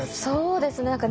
そうですね